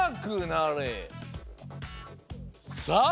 さあ